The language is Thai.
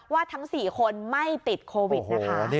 ทั้ง๔คนไม่ติดโควิดนะคะ